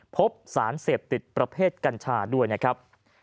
พบสารเสพติดประเภทกัญชาด้วยนะครับ